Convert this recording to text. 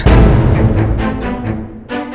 kalau misalkan gak ada